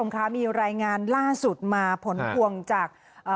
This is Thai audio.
ค่ะมีรายงานล่าสุดมาผลพวงจากเอ่อ